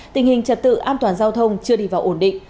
tình hình trật tự an toàn giao thông chưa đi vào ổn định